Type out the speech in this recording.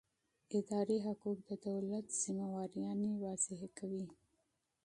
اداري حقوق د دولت مسوولیتونه تشریح کوي.